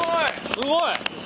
すごい！